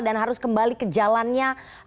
dan harus kembali ke jalannya